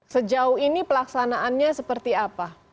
sejauh ini pelaksanaannya seperti apa